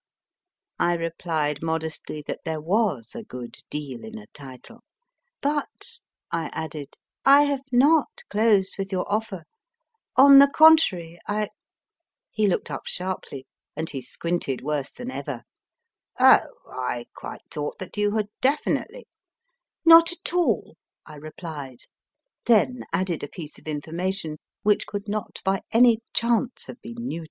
I replied modestly that there was a good deal in a title. But, I added, I have not closed with your offer on the contrary, I He looked up sharply, and he squinted worse than ever. Oh, I quite thought that you had definitely * Not at all, I replied ; then added a piece of infor mation, which could not by any chance have been new to MISS STANNARD {From a photograph by H